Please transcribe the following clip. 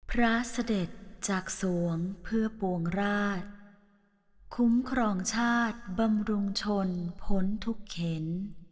พระเสด็จจากสวงเพื่อปวงราชคุ้มครองชาติบำรุงชนพ้นทุกเข็น